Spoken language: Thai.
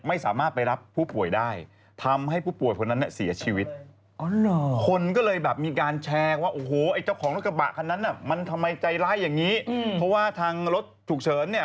ไปทำมาถึงอีกเรื่องหนึ่งเป็นเรื่องของ